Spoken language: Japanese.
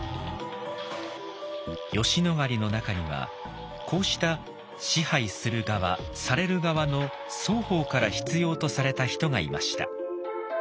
吉野ヶ里の中にはこうした支配する側される側の双方から必要とされた人がいました。